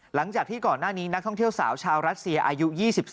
หลังจากที่ก่อนหน้านี้นักท่องเที่ยวสาวชาวรัสเซียอายุ๒๓